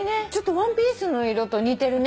ワンピースの色と似てるね。